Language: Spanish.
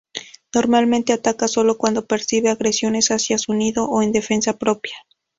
Normalmente ataca sólo cuando percibe agresiones hacia su nido o en defensa propia.